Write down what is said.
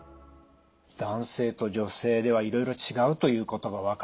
男性と女性ではいろいろ違うということが分かりました。